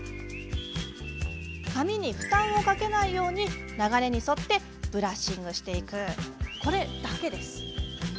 髪に負担をかけないように流れに沿ってブラッシングしていくこれだけです。